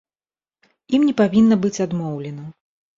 Ім не павінна быць адмоўлена.